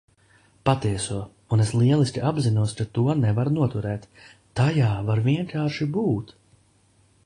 Patieso. Un es lieliski apzinos, ka to nevar noturēt, tajā var vienkārši būt.